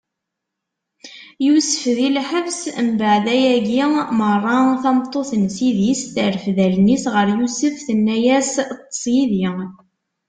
Yusef di lḥebs Mbeɛd ayagi meṛṛa, tameṭṭut n ssid-is terfed allen-is ɣer Yusef, tenna-yas: Ṭṭeṣ yid-i!